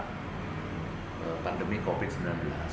karena pandemi covid sembilan belas